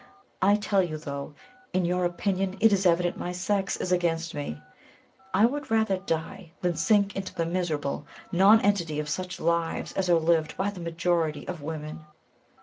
I tell you, though, in your opinion it is evident my sex is against me, I would rather die than sink into the miserable nonentity of such lives as are lived by the majority of women."